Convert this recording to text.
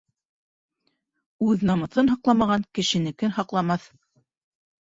Үҙ намыҫын һаҡламаған, Кешенекен һаҡламаҫ.